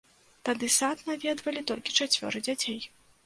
Тады сад наведвалі толькі чацвёра дзяцей.